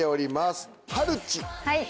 はい。